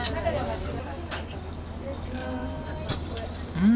うん！